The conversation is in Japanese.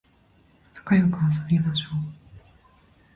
なかよく遊びましょう